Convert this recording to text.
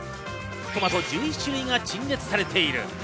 トマト１１種類が陳列されている。